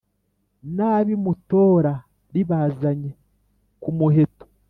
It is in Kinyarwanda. n'ab'i mutora ribazanye ku muheto.